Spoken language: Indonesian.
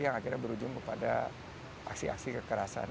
yang akhirnya berujung kepada aksi aksi kekerasan